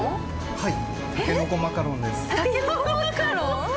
はい。